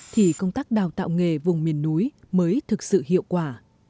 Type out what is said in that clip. thì công tác đào tạo nghề vùng miền núi mới thực sự hiệu quả